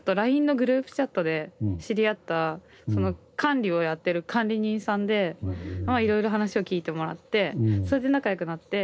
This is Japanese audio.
ＬＩＮＥのグループチャットで知り合ったその管理をやってる管理人さんでまあいろいろ話を聞いてもらってそれで仲良くなって。